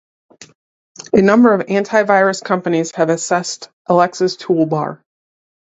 A number of antivirus companies have assessed Alexa's toolbar.